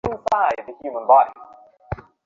তার শরীরটা তেমন ভালো না।